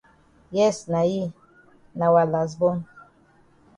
Yes na yi, na wa las bon.